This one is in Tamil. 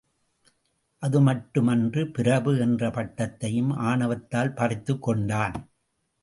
அது மட்டுமன்று, பிரபு என்ற பட்டத்தையும் ஆணவத்தால் பறித்துக் கொண்டான்.